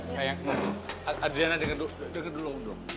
sayang adriana denger dulu